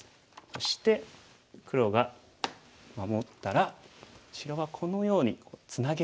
そして黒が守ったら白はこのようにツナげていきますね。